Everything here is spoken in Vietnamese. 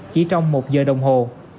chỉ trong một giờ đồng hồ